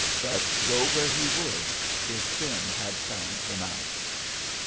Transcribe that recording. But, go where he would, his sin had found him out.